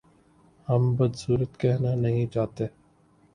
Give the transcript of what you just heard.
ہم بد صورت کہنا نہیں چاہتے